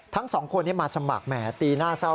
ทั้งสองคนนี้มาสมัครแหมตีหน้าเศร้า